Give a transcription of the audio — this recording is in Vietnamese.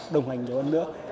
đồng hành nhiều hơn nữa